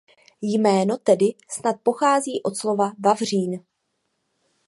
Jméno tedy snad pochází od slova „vavřín“.